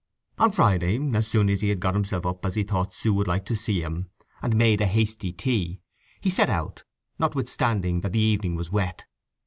On Friday, as soon as he had got himself up as he thought Sue would like to see him, and made a hasty tea, he set out, notwithstanding that the evening was wet.